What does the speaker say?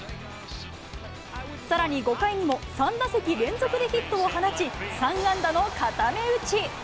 さらに５回にも、３打席連続でヒットを放ち、３安打の固め打ち。